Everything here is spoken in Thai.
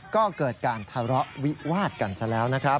ก็เกิดการทะเลาะวิวาดกันซะแล้วนะครับ